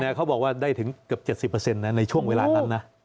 เขาบอกว่าได้ถึงเกือบ๗๐ในช่วงเวลานั้นนะ